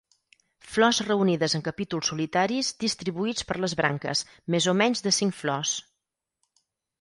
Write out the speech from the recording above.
Flors reunides en capítols solitaris distribuïts per les branques, més o menys de cinc flors.